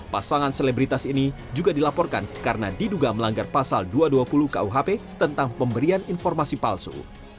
pasangan selebritas ini juga dilaporkan karena diduga melanggar pasal dua ratus dua puluh kuhp tentang pemberian informasi palsu